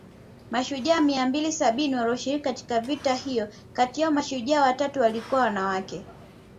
Mashujaa mia mbili sabini walioshiriki katika vita hiyo kati yao mashujaa watatu walikuwa wanawake